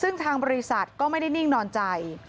ซึ่งทางบริษัทก็ไม่ได้นิ่งนอนใจ